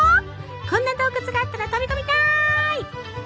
こんな洞窟があったら飛び込みたい！